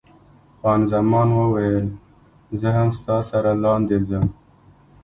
خان زمان وویل، زه هم ستا سره لاندې ځم.